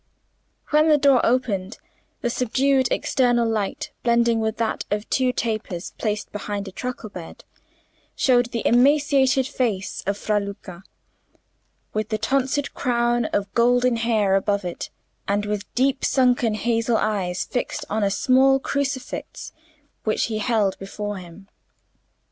When the door opened, the subdued external light blending with that of two tapers placed behind a truckle bed, showed the emaciated face of Fra Luca, with the tonsured crown of golden hair above it, and with deep sunken hazel eyes fixed on a small crucifix which he held before him.